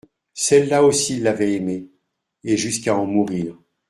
Celle-là aussi l'avait aimé, et jusqu'à en mourir.